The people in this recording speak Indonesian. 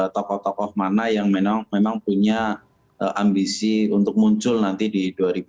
tokoh tokoh mana yang memang punya ambisi untuk muncul nanti di dua ribu dua puluh